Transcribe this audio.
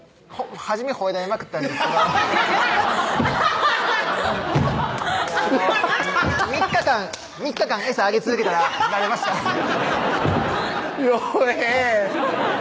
初めほえられまくったんですけど３日間餌あげ続けたら慣れました陽平！